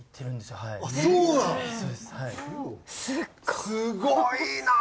すごいな！